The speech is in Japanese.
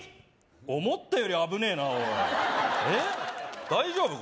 思ったより危ねえなおいえ大丈夫？